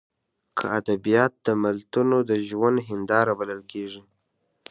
که ادبیات د ملتونو د ژوند هینداره بلل کېږي.